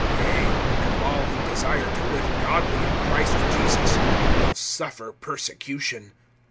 (12)Yea, and all who desire to live godly in Christ Jesus will suffer persecution.